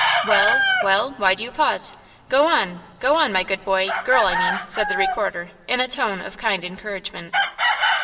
"Well, well–why do you pause? Go on–go on, my good boy–girl, I mean!" said the Recorder, in a tone of kind encouragement.